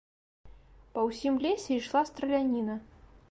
Па ўсім лесе ішла страляніна.